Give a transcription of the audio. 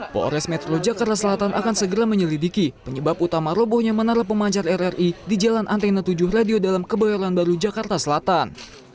polres metro jakarta selatan akan segera menyelidiki penyebab utama robohnya menara pemancar rri di jalan antena tujuh radio dalam kebayoran baru jakarta selatan